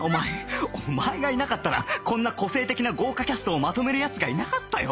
お前がいなかったらこんな個性的な豪華キャストをまとめる奴がいなかったよ